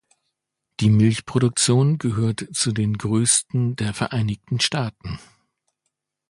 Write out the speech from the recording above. Die Milchproduktion gehört zu den größten der Vereinigten Staaten.